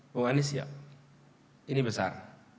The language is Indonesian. bung anis siap ini besar